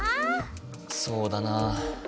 そうだな。